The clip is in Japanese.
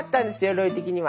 ロイ的には。